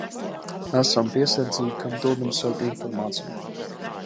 Esam piesardzīgi, kam dodam savu informāciju.